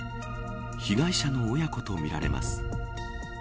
被害者の親子とみられます。